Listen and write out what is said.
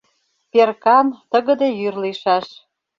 Перкан, тыгыде йӱр лийшаш.